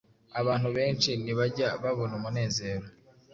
Abantu benshi ntibajya babona umunezero